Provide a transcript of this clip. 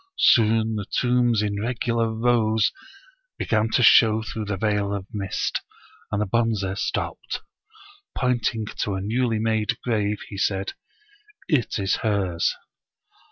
Soon the tombs in regular rows began to show through the veil of mist, and the Bonze stopped. Pointing to a newly made grave he said " It is hers."